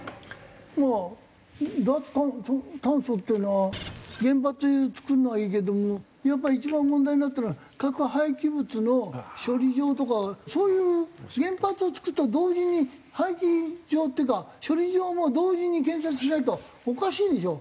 まあ脱炭素っていうのは原発造るのはいいけどもやっぱ一番問題になってるのは核廃棄物の処理場とかそういう原発を造ると同時に廃棄場っていうか処理場も同時に建設しないとおかしいでしょ。